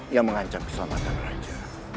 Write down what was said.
yang mengancam keselamatan raja